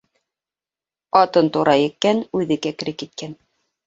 Атын тура еккән, үҙе кәкре киткән.